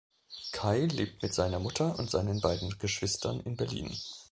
Kai lebt mit seiner Mutter und seinen beiden Geschwistern in Berlin.